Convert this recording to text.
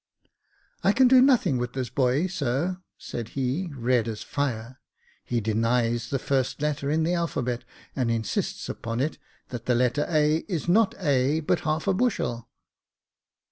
Jacob Faithful 27 I can do nothing with this boy, sir," said he, red as fire ;" he denies the first letter in the alphabet, and insists upon it that the letter A is not A, but half a bushel."